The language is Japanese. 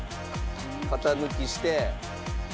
型抜きして。